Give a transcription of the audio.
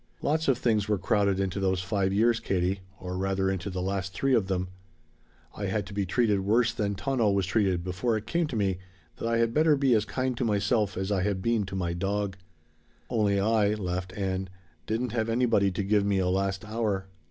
Lots of things were crowded into those five years, Katie or rather into the last three of them. I had to be treated worse than Tono was treated before it came to me that I had better be as kind to myself as I had been to my dog. Only I," Ann laughed, "didn't have anybody to give me a last hour!"